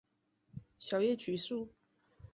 小叶榉树